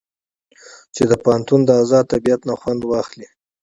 چې د پوهنتون د ازاد طبيعت نه خوند واخلي.